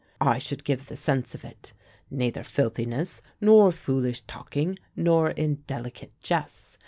I should give the sense of it neither filthiness, nor foolish talking, nor indelicate jests.